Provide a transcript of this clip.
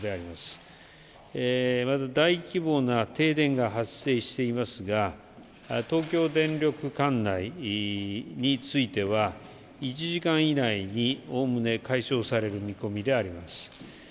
まず大規模な停電が発生していますが東京電力管内については１時間以内に、おおむね解消される見込みであります。